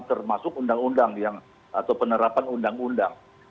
termasuk undang undang atau penerapan undang undang